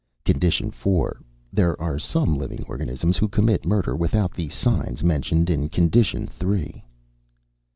_Condition four, there are some living organisms who commit murder without the signs mentioned in condition three.